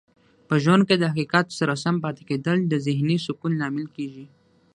په ژوند کې د حقیقت سره سم پاتې کیدل د ذهنې سکون لامل کیږي.